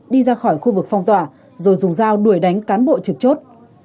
đi ra khỏi khu vực phong tỏa rồi dùng dao đuổi đánh cán bộ trực chốt